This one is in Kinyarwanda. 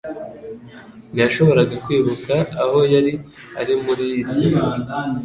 ntiyashoboraga kwibuka aho yari ari muri iryo joro.